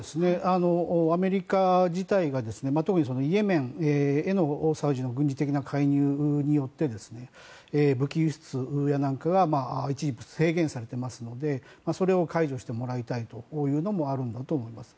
アメリカ自体が特にイエメンへのサウジの軍事的な介入によって武器輸出やなんかが一時期、制限されていますのでそれを解除してもらいたいというのもあるんだと思います。